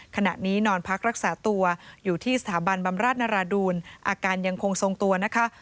ขณะนี้นอนพักรักษาตัวอยู่ที่สถาบันบำราชนราดูลอาการยังคงทรงตัวนะคะ